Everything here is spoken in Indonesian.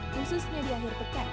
khususnya di akhir pekan